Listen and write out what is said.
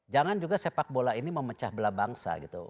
jangan juga sepak bola ini memecah belah bangsa gitu